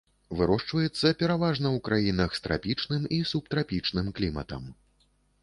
Вырошчваецца пераважна ў краінах з трапічным і субтрапічным кліматам.